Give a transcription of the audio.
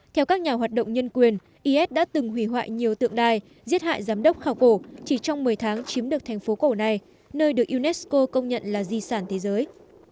theo các nhà hoạt động nhân quyền is đã từng hủy hoại nhiều tượng đài giết hại giám đốc khảo cổ chỉ trong một mươi tháng chiếm được thành phố cổ này nơi được unesco công nhận là di sản thế giới